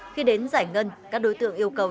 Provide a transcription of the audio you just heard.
khi đến giải ngân các đối tượng yêu cầu